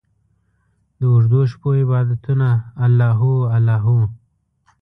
داوږدوشپو عبادته الله هو، الله هو